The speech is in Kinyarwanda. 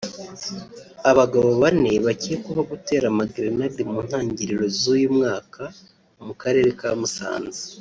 Abagabo bane bakekwaho gutera amagerenade mu ntangiriro z’uyu mwaka mu karere ka Musanze